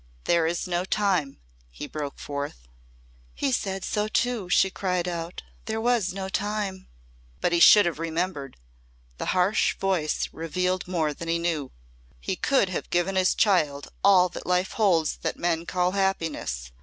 "There is no time " he broke forth. "He said so too," she cried out. "There was no time!" "But he should have remembered," the harsh voice revealed more than he knew. "He could have given his child all that life holds that men call happiness.